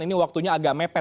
ini waktunya agak mepet